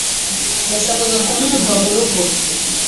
Nashakaga kukwumva murugo.